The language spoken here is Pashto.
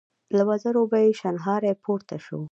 له وزرو به يې شڼهاری پورته شو.